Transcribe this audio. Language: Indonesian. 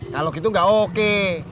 kalau gitu nggak oke